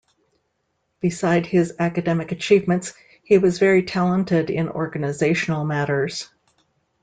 Besides his academic achievements, he was very talented in organisational matters.